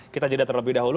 kita jadi terlebih dahulu